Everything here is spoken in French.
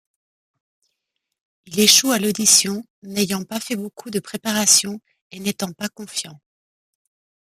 Il échoue à l'audition, n'ayant pas fait beaucoup de préparations et n'étant pas confiant.